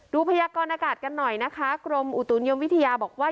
พยากรอากาศกันหน่อยนะคะกรมอุตุนิยมวิทยาบอกว่า